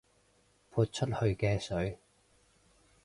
潑出去嘅水